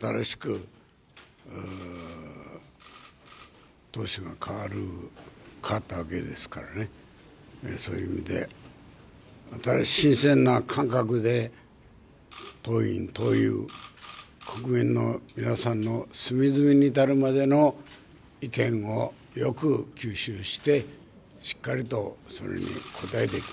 新しく党首がかわったわけですから、そういう意味でそういう意味で、新鮮な感覚で党員・党友、国民の皆さんの隅々に至るまでの意見をよく吸収してしっかりとそれに応えていく。